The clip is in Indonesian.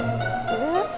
ini siapaan sih sob